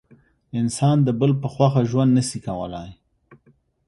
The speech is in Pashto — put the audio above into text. انسان د بل په خوښه ژوند نسي کولای.